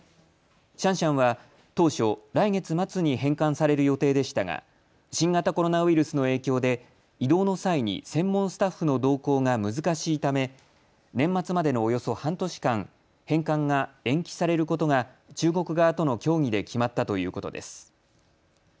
シャンシャンは当初、来月末に返還される予定でしたが新型コロナウイルスの影響で移動の際に専門スタッフの同行が難しいため、年末までのおよそ半年間、返還が延期されることが中国側との協議で決まったということです。